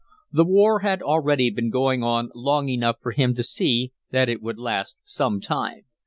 The war had already been going on long enough for him to see that it would last some time.